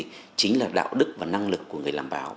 thì chính là đạo đức và năng lực của người làm báo